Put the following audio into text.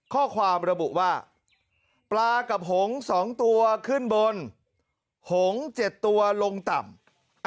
ข้อความระบุว่าปลากับหงษ์สองตัวขึ้นบนหงษ์เจ็ดตัวลงต่ำ